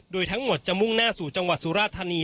โดยทั้งหมดจะมุ่งหน้าสู่จังหวัดสุราธานี